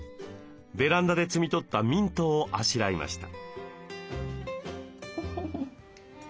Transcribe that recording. ベランダで摘み取ったミントをあしらいました。